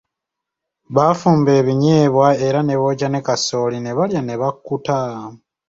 Baafumba ebinyeebwa era ne bookya ne kasooli ne balya ne bakkuta.